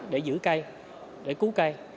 để giữ cây để cú cây